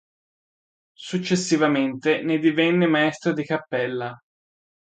Successivamente ne divenne maestro di cappella.